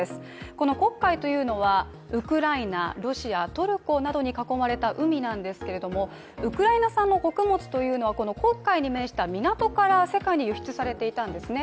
この黒海というのはウクライナ、ロシア、トルコなどに囲まれた海なんですけれども、ウクライナ産の穀物というのは黒海に面した港から世界に輸出されていたんですね、